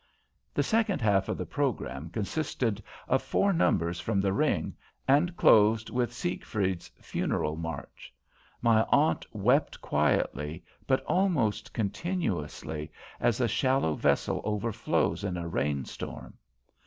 The second half of the program consisted of four numbers from the Ring, and closed with Siegfried's funeral march. My aunt wept quietly, but almost continuously, as a shallow vessel overflows in a rain storm.